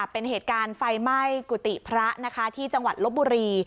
เป็นเหตุการณ์ไฟไหม้กุฏิพระนะคะที่จังหวัดลบบุรี